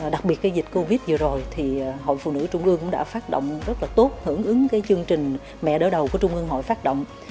đặc biệt cái dịch covid vừa rồi thì hội phụ nữ trung ương cũng đã phát động rất là tốt hưởng ứng chương trình mẹ đỡ đầu của trung ương hội phát động